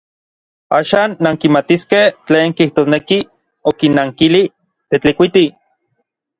Axan nankimatiskej tlen kijtosneki, okinnankili Tetlikuiti.